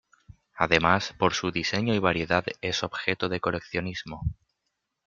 Además, por su diseño y variedad es objeto de coleccionismo.